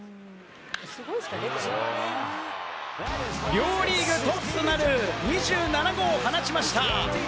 両リーグトップとなる２７号を放ちました。